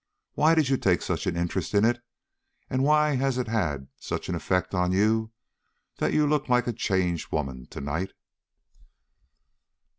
Why did you take such an interest in it, and why has it had such an effect upon you that you look like a changed woman to night?"